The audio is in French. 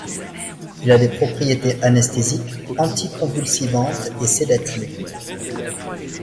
Il a des propriétés anesthésiques, anticonvulsivantes, et sédatives.